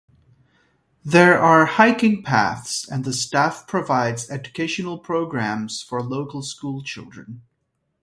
There are hiking paths and the staff provides educational programs for local schoolchildren.